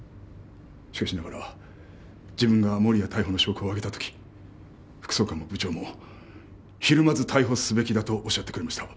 しかしながら自分が守谷逮捕の証拠を挙げたとき副総監も部長もひるまず逮捕すべきだとおっしゃってくれました。